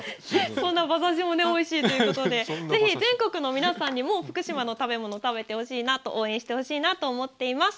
そんな馬刺しもおいしいということでぜひ、全国の皆さんに福島の食べ物を食べてほしい応援してほしいと思っています。